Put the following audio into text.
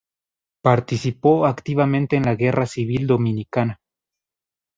Participó activamente en la guerra civil dominicana.